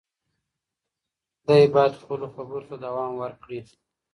دی باید خپلو خبرو ته دوام ورکړي.